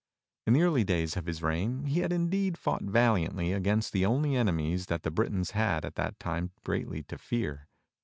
In the early days of his reign he had indeed fought valiantly against the only enemies that the Britons had at that time greatly to fear.